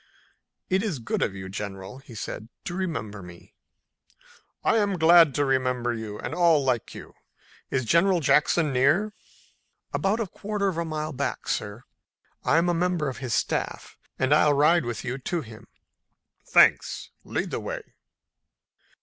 "It's good of you, General," he said, "to remember me." "I'm glad to remember you and all like you. Is General Jackson near?" "About a quarter of a mile farther back, sir. I'm a member of his staff, and I'll ride with you to him." "Thanks. Lead the way."